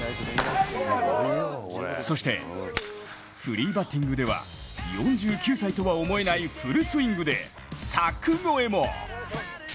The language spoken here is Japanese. そしてフリーバッティングでは４９歳とは思えないフルスイングで柵越えも。